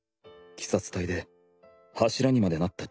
鬼殺隊で柱にまでなった父だ